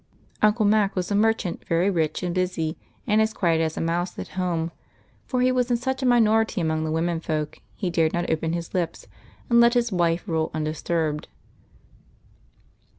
Uncle Mac was a merchant, very rich and busy, and as quiet as a mouse at home, for he was in such a minority among the women folk he dared not open his lii3s, and let his wife rule undis turbed.